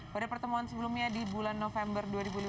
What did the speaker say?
pada pertemuan sebelumnya di bulan november dua ribu lima belas